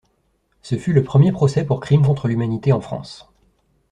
Ce fut le premier procès pour crimes contre l’humanité en France.